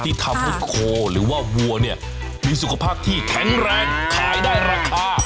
ที่ทำให้โคหรือว่าวัวเนี่ยมีสุขภาพที่แข็งแรงขายได้ราคา